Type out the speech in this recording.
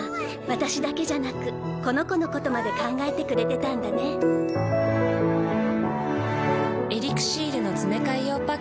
私だけじゃなくこの子のことまで考えてくれてたんだねふふふ。